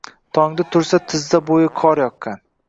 Tongda tursa tizza bo`yi qor yoqqan